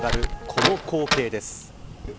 この光景です。